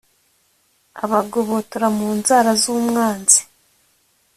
abagobotora mu nzara z'umwanzi